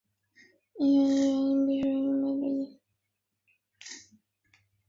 一日圆硬币是日圆硬币之一。